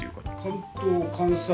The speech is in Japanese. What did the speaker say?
関東関西